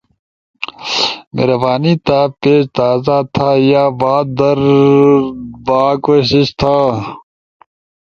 مہربانی تھا پیج تازہ تھا یا با کوشش بعد در تھا